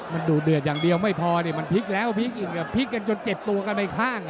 มันดูเดือดอย่างเดียวไม่พอมันพลิกแล้วพลิกกันจนเจ็บตัวกันไปข้าง